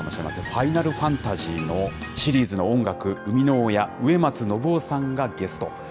ファイナルファンタジーのシリーズの音楽生みの親、植松伸夫さんがゲスト。